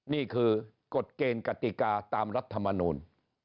นี่คือกฎเกณฑ์กติกาตามรัฐมนูล